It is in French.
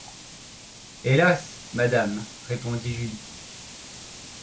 Hélas ! madame, répondit Julie